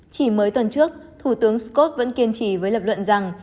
chỉ mới tuần trước thủ tướng scott vẫn kiên trì với lập luận rằng